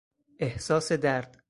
احساس درد